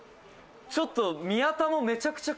ちょっと」